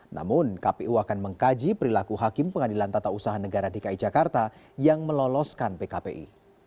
namun kpu akan mengkaji perilaku hakim pengadilan tata usaha negara dki jakarta yang meloloskan pkpi